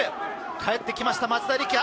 帰ってきました、松田力也。